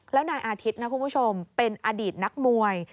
แล้วนายอาทิตย์นะคุณผู้ชมเป็นอดีตนักมวย